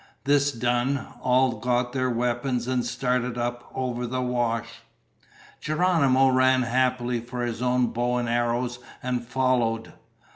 This done, all got their weapons and started up over the wash. Geronimo ran happily for his own bow and arrows and followed.